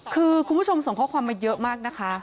คือคุณผู้ชมส่งข้อความมาเยอะมากนะคะ